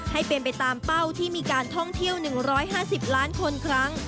ให้เป็นไปตามเป้าที่มีการท่องเที่ยว๑๕๐ล้านคนครั้ง